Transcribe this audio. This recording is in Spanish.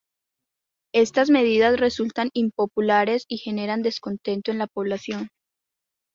Estas medidas resultan impopulares y generan descontento en la población.